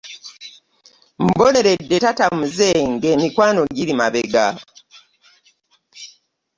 Mboneredde tata muze, ng'emikwano giri mabega.